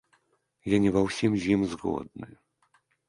Я не ва ўсім з ім згодны.